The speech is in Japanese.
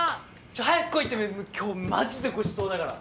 ちょ早く来いって今日マジでごちそうだから！